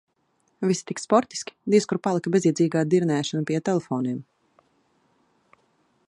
Visi tik sportiski, diez kur palika bezjēdzīgā dirnēšana pie telefoniem.